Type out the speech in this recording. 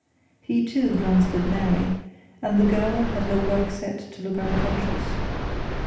He, too, glanced at Mary and the girl had her work set to look unconscious.